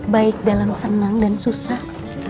baik dalam senang dan susah